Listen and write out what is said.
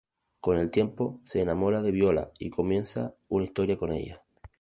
Con el tiempo se enamora de Viola y comienza una historia con ella.